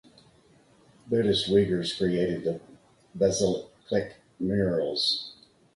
Buddhist Uyghurs created the Bezeklik murals.